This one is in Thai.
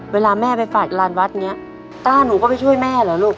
เวลาแม่ไปฝากลานวัดเนี่ยต้าหนูก็ไปช่วยแม่เหรอลูก